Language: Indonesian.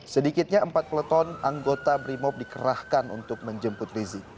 sedikitnya empat peleton anggota brimob dikerahkan untuk menjemput rizik